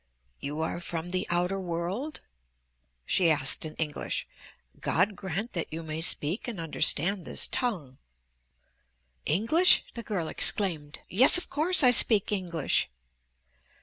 "You are from the outer world?" she asked in English. "God grant that you may speak and understand this tongue." "English?" the girl exclaimed, "Yes, of course, I speak English."